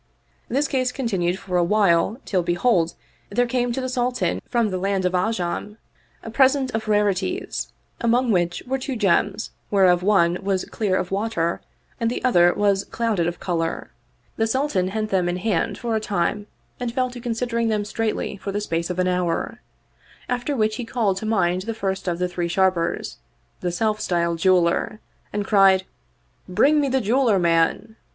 This case continued for a while till behold, there came to the Sultan from the land of *Ajam a present of rarities, among which were two gems whereof one was clear of water and the other was clouded of color. The Sultan hent them in hand for a time and fell to considering them straitly for the space of an hour; after which he called to mind the first of the three Sharpers, the self styled jeweler, and cried, 28 The Craft of the Three Sharpers " Bring me the jeweler man."